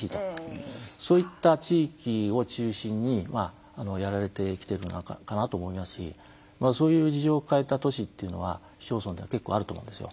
そういった地域を中心にやられてきているのかなと思いますしそういう事情を変えた都市や市町村では結構あると思うんですよ。